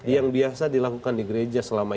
yang biasa dilakukan di gereja selama